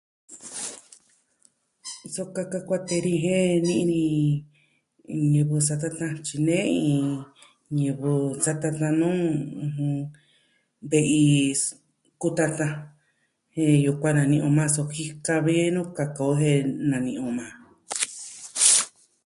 Sa kaka kuatee ni jen ni'i ni ñivɨ satatan tyinei, ñivɨ satatan nuu, ɨjɨn... ve'i s... kutatan jen yukuan nani'i o ma so jika vee nuu kaka o jen nani'i o maa.